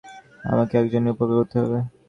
আমাকে একজনের উপকার করতে হবে।